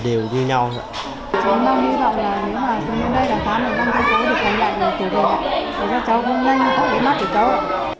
cháu mong hy vọng là nếu mà từ hôm nay đến tháng một mươi năm tới cuối được thành lệnh thì cháu không gây mắt cho cháu